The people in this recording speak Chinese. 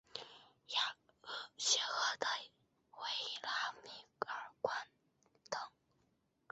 邪恶的维拉米尔寇等。